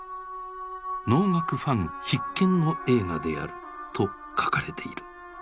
「能楽ファン必見の映画である」と書かれている。